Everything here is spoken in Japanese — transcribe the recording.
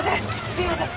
すみません！